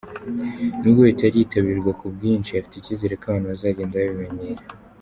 Nubwo bitaritabirwa ku bwinshi afite icyizere ko abantu bazagenda babimenyera.